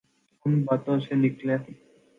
ان باتوں سے نکلیں۔